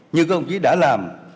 như công chí đã làm